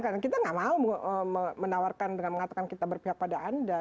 karena kita tidak mau menawarkan dengan mengatakan kita berpihak pada anda